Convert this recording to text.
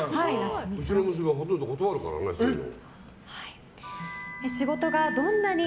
うちの娘はほとんど断るからねそういうの。